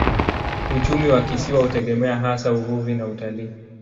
Uchumi wa kisiwa hutegemea hasa uvuvi na utalii.